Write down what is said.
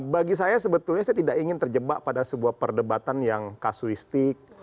bagi saya sebetulnya saya tidak ingin terjebak pada sebuah perdebatan yang kasuistik